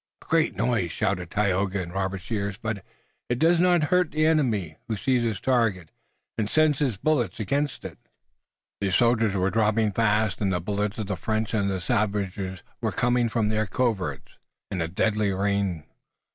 "A great noise," shouted Tayoga in Robert's ear, "but it does not hurt the enemy, who sees his target and sends his bullets against it!" The soldiers were dropping fast and the bullets of the French and the savages were coming from their coverts in a deadly rain.